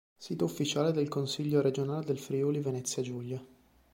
Sito ufficiale del consiglio regionale del Friuli-Venezia Giulia